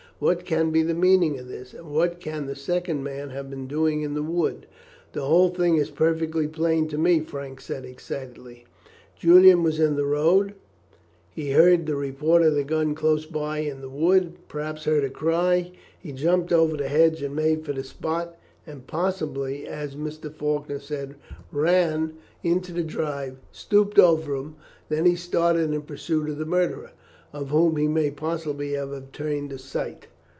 What can be the meaning of this, and what can the second man have been doing in the wood?" "The whole thing is perfectly plain to me," Frank said excitedly. "Julian was in the road, he heard the report of the gun close by in the wood, and perhaps heard a cry; he jumped over the hedge and made for the spot, and possibly, as Mr. Faulkner said, ran into the drive and stooped over him; then he started in pursuit of the murderer, of whom he may possibly have obtained a sight.